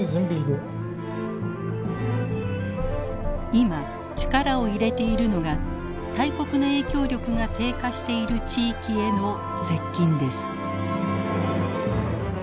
今力を入れているのが大国の影響力が低下している地域への接近です。